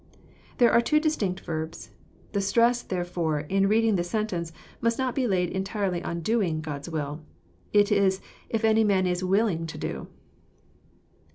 There are two distinct verbs. The stress, therefore, in reading the sentence, must not be laid entirely on doing " God's will. It is <' if any man is willing to do."